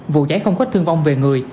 vụ cháy không khuất thương vong về người